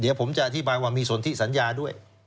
เดี๋ยวผมจะอธิบายว่ามีสนทิสัญญาด้วย